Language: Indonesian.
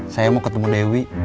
saya mau ketemu dewi